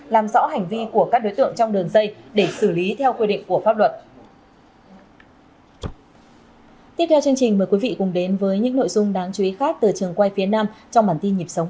làm rõ hành vi của các đối tượng trong đường dây để xử lý theo quy định của pháp luật